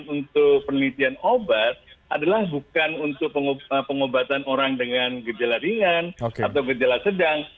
untuk penelitian obat adalah bukan untuk pengobatan orang dengan gejala ringan atau gejala sedang